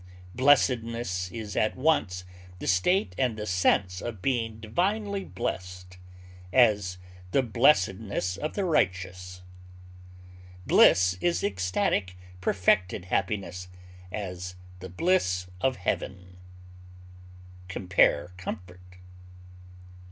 Blessedness is at once the state and the sense of being divinely blessed; as, the blessedness of the righteous. Bliss is ecstatic, perfected happiness; as, the bliss of heaven. Compare COMFORT.